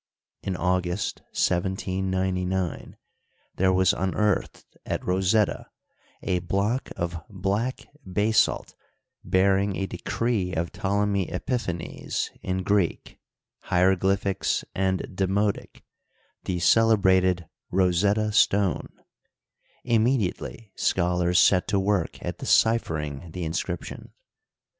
In August, 1799, there was unearthed at Rosetta a block of black basalt bearing a decree of Ptolemy Epi phanes in Greek, hieroglyphics, and demotic — the cele brated *' Rosetta stoned Immediately sc^holars set to work at deciphering the inscription.